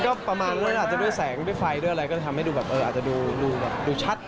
ก็ประมาณว่าอาจจะด้วยแสงด้วยไฟด้วยอะไรก็ทำให้ดูแบบเอออาจจะดูแบบดูชัด